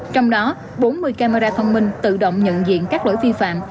trong đó bốn mươi camera thông minh tự động nhận diện các lỗi vi phạm